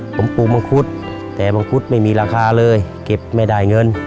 ผมปลูกมังคุดแต่มังคุดไม่มีราคาเลยเก็บไม่ได้เงิน